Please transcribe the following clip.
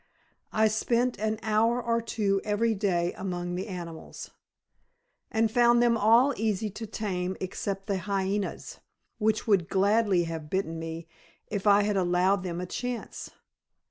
I spent an hour or two every day among the animals, and found them all easy to tame except the hyenas, which would gladly have bitten me if I had allowed them a chance.